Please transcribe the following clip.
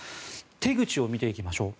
手口を見ていきましょう。